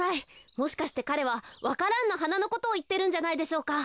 もしかしてかれはわか蘭のはなのことをいってるんじゃないでしょうか。